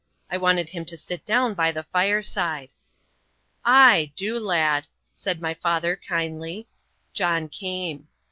I wanted him to sit down by the fireside. "Ay! do, lad," said my father, kindly. John came.